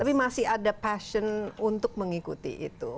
tapi masih ada passion untuk mengikuti itu